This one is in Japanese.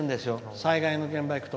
災害の現場に行くと。